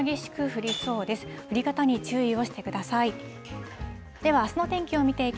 降り方に注意をしてください。